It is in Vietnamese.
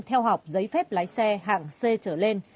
theo học giấy phép lái xe hạng c trở lên